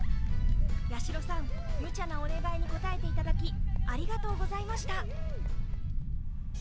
八代さん、無茶なお願いに応えていただきありがとうございました。